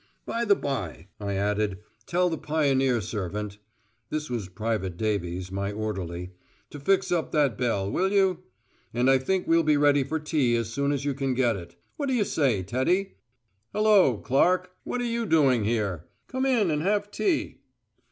"By the by," I added, "tell the pioneer servant (this was Private Davies, my orderly) to fix up that bell, will you? And I think we'll be ready for tea as soon as you can get it. What do you say, Teddy? Hullo, Clark! What are you doing here? Come in and have tea."